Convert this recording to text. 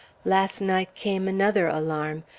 Last night came another alarm.